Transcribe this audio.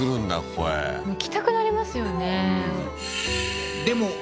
ここへ行きたくなりますよね